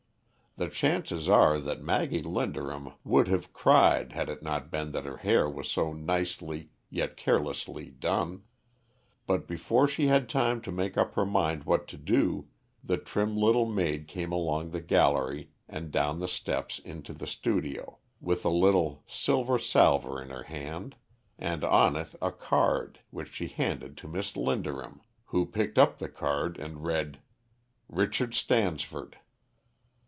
The chances are that Maggie Linderham would have cried had it not been that her hair was so nicely, yet carelessly, done; but before she had time to make up her mind what to do, the trim little maid came along the gallery and down the steps into the studio, with a silver salver in her hand, and on it a card, which she handed to Miss Linderham, who picked up the card and read, "Richard Stansford."